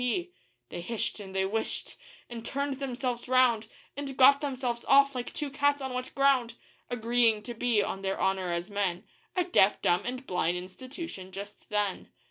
P.' They hish'd and they whishted, and turned themselves round, And got themselves off like two cats on wet ground; Agreeing to be, on their honour as men, A deaf dumb and blind institution just then.